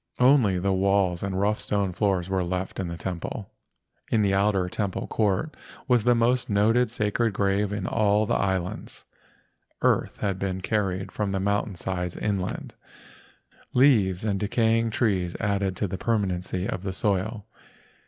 Only the walls and rough stone floors were left in the temple. In the outer temple court was the most noted sacred grave in all the islands. Earth had been carried from the mountain sides inland. Leaves and decaying trees added to the permanency of the soil.